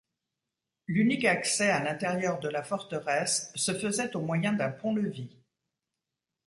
L'unique accès à l'intérieur de la forteresse se faisait au moyen d'un pont-levis.